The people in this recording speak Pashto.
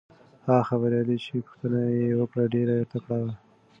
هغه خبریاله چې پوښتنه یې وکړه ډېره تکړه وه.